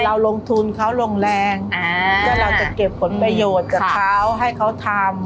เราลงทุนเขาลงแรงแล้วเราจะเก็บผลประโยชน์กับเขาให้เขาทำ